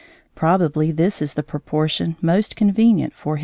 Probably this is the proportion most convenient for his work.